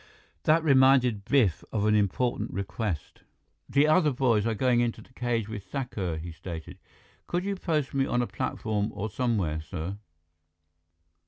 That reminded Biff of an important request. "The other boys are going into the cage with Thakur," he stated. "Could you post me on a platform or somewhere, sir?"